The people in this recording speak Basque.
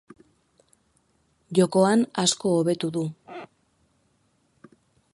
Jokoan asko hobetu du.